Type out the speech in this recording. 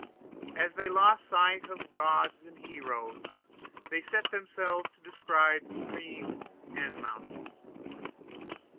As they lost sight of gods and heroes, they set themselves to describe streams and mountains.